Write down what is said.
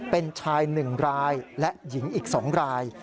เป็นชาย๑รายและหญิงอีก๒ราย